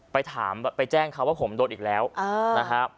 ไปถามไปแจ้งเขาว่าผมโดนอีกแล้วนะฮะ